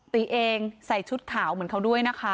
ตีเองใส่ชุดขาวเหมือนเขาด้วยนะคะ